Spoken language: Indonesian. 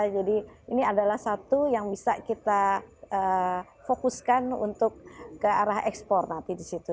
jadi ini adalah satu yang bisa kita fokuskan untuk ke arah ekspor nanti di situ